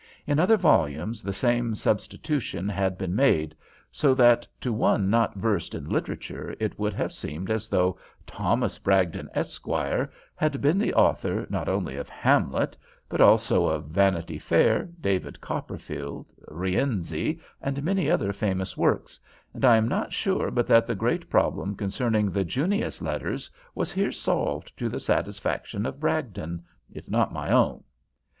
In other volumes the same substitution had been made, so that to one not versed in literature it would have seemed as though "Thomas Bragdon, Esquire," had been the author not only of Hamlet, but also of Vanity Fair, David Copperfield, Rienzi, and many other famous works, and I am not sure but that the great problem concerning the "Junius Letters" was here solved to the satisfaction of Bragdon, if not to my own.